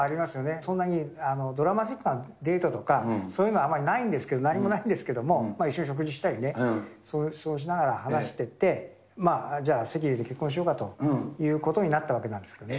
そんなにドラマチックなデートとか、そういうのはあんまりないんですけど、何もないんですけども、一緒に食事したりね、そうしながら話してって、じゃあ、籍入れて結婚しようかということになったわけなんですね。